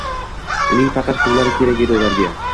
– uning faqat pullari kerak edi ularga.